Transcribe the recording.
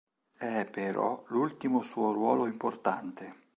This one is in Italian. È però l'ultimo suo ruolo importante.